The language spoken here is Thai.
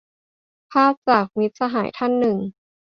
ภาพจาก มิตรสหายท่านหนึ่ง